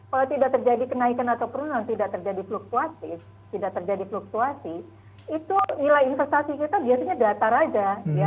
kalau tidak terjadi kenaikan atau penurunan tidak terjadi fluktuatif tidak terjadi fluktuasi itu nilai investasi kita biasanya datar aja